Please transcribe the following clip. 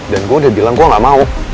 dan gue udah bilang gue nggak mau